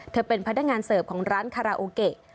เป็นพนักงานเสิร์ฟของร้านคาราโอเกะ